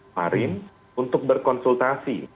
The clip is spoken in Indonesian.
marin untuk berkonsultasi